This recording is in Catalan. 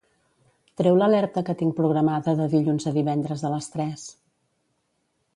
Treu l'alerta que tinc programada de dilluns a divendres a les tres.